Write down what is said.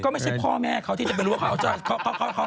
ก็ไม่ใช่พ่อแม่เขาที่จะไปรู้ว่าเขาใช้เรืออะไร